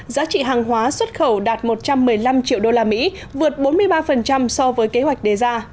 giá trị hàng hóa xuất khẩu đạt một trăm một mươi năm triệu đô la mỹ vượt bốn mươi ba so với kế hoạch đề ra